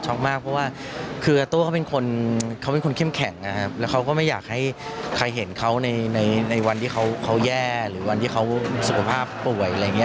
มากเพราะว่าคืออาโต้เขาเป็นคนเขาเป็นคนเข้มแข็งนะครับแล้วเขาก็ไม่อยากให้ใครเห็นเขาในในวันที่เขาแย่หรือวันที่เขาสุขภาพป่วยอะไรอย่างนี้